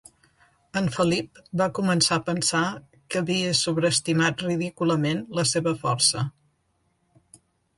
En Felip va començar a pensar que havia sobreestimat ridículament la seva força.